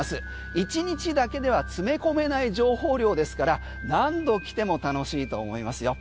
１日だけでは詰め込めない情報量ですから何度来ても楽しいと思いますよ。